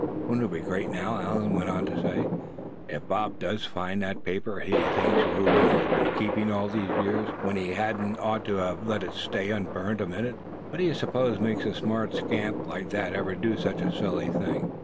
"Won't it be great now," Allan went on to say, "if Bob does find that paper he thinks Reuben's been keeping all these years, when he hadn't ought to have let it stay unburned a minute? What d'ye suppose makes a smart scamp like that ever do such a silly thing?"